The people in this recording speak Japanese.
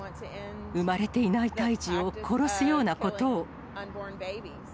産まれていない胎児を殺すようなことを。